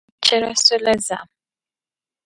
Binchɛra sola zaɣim.